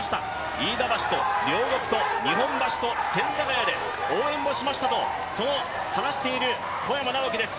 飯田橋と両国と日本橋と千駄ヶ谷で応援もしましたと、そう話している小山直城です。